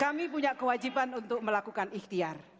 kami punya kewajiban untuk melakukan ikhtiar